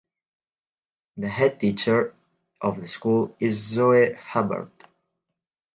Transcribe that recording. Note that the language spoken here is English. The headteacher of the school is Zoe Hubbard.